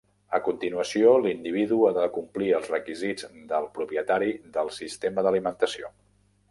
A continuació, l'individu ha de complir els requisits del propietari del sistema d'alimentació.